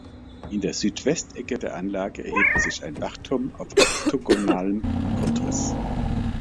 In der Südwestecke der Anlage erhebt sich ein Wachturm auf oktogonalem Grundriss.